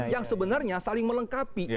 yang sebenarnya saling melengkapi